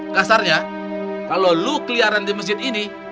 kasarnya kalau lo keliaran di masjid ini